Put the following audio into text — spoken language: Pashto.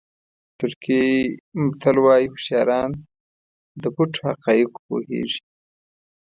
ترکي متل وایي هوښیاران د پټو حقایقو پوهېږي.